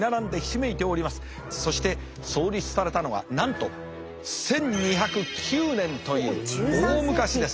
そして創立されたのはなんと１２０９年という大昔です。